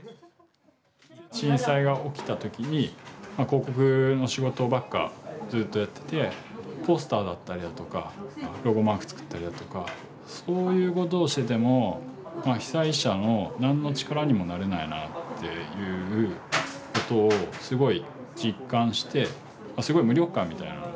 震災が起きた時に広告の仕事ばっかずっとやっててポスターだったりだとかロゴマーク作ったりだとかそういうことをしてても被災者の何の力にもなれないなっていうことをすごい実感してすごい無力感みたいなの覚えて。